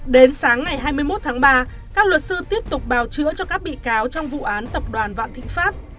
đến sáng ngày hai mươi một tháng ba các luật sư tiếp tục bào chữa cho các bị cáo trong vụ án tập đoàn vạn thịnh pháp